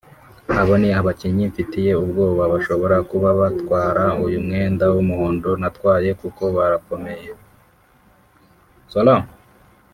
Abo ni abakinnyi mfitiye ubwoba bashobora kuba batwara uyu mwenda w’umuhondo natwaye kuko barakomeye